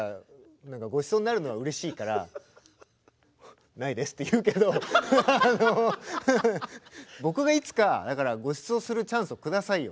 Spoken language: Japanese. ごちそうになるのはうれしいから「ないです」って言うけど僕がいつかごちそうするチャンスをくださいよ。